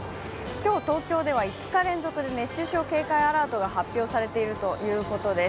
今日、東京では５日連続で熱中症警戒アラートが発表されているということです。